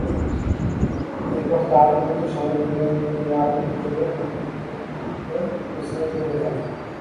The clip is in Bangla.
এরপর তারও মৃত্যুর সময় ঘনিয়ে এলে তিনি আপন পুত্র খানুখকে ওসীয়ত করে যান।